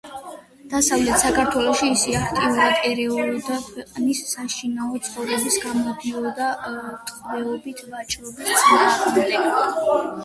დასავლეთ საქართველოში ის აქტიურად ერეოდა ქვეყნის საშინაო ცხოვრებაში, გამოდიოდა ტყვეებით ვაჭრობის წინააღმდეგ.